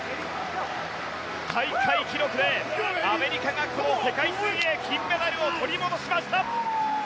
大会記録でアメリカがこの世界水泳金メダルを取り戻しました。